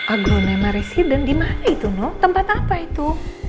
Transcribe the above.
aglunema residen di mana itu noh tempat apa itu